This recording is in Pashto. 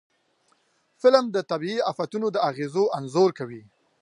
فلم د طبعي آفتونو د اغېزو انځور کوي